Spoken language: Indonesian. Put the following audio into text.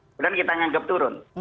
kemudian kita menganggap turun